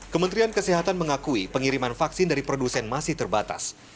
kementerian kesehatan mengakui pengiriman vaksin dari produsen masih terbatas